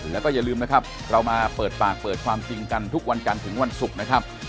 แล้วก็อย่าลืมนะครับเรามาเปิดปากเปิดความจริงกันทุกวันจันทร์ถึงวันศุกร์นะครับ